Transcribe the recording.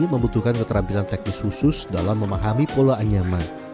membutuhkan keterampilan teknis khusus dalam memahami pola anyaman